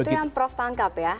itu yang prof tangkap ya